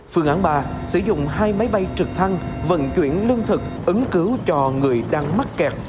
phương án ba sử dụng hai máy bay trực thăng vận chuyển lương thực ứng cứu cho người đang mắc kẹt